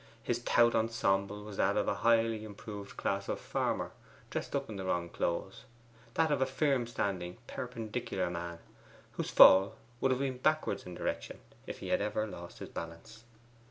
His tout ensemble was that of a highly improved class of farmer, dressed up in the wrong clothes; that of a firm standing perpendicular man, whose fall would have been backwards in direction if he had ever lost his balance.